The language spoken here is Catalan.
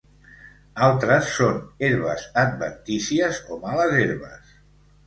Altres són herbes adventícies o males herbes.